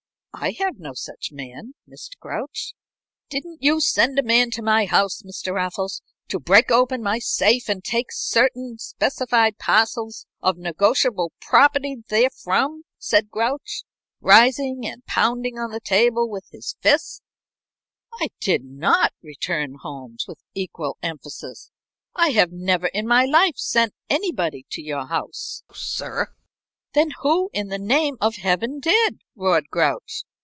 "I have no such man, Mr. Grouch." "Didn't you send a man to my house, Mr. Raffles, to break open my safe, and take certain specified parcels of negotiable property therefrom?" said Grouch, rising and pounding the table with his fists. "I did not!" returned Holmes, with equal emphasis. "I have never in my life sent anybody to your house, sir." "Then who in the name of Heaven did?" roared Grouch.